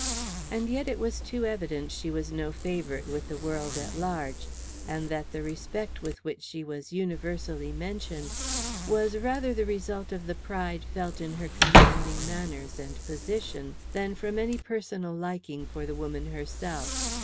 And yet it was too evident she was no favorite with the world at large, and that the respect with which she was universally mentioned was rather the result of the pride felt in her commanding manners and position, than from any personal liking for the woman herself.